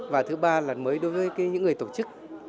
và thứ ba là mới đối với những người tổ chức